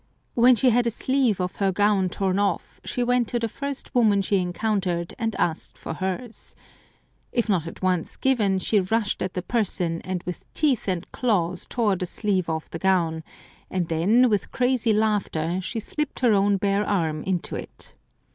When she had a sleeve of her gown torn off she went to the first woman she encountered and asked for hers. If not at once given, she rushed at the person, and with teeth and claws tore the sleeve off the gown, and then, with crazy laughter, she slipped her own bare arm into it.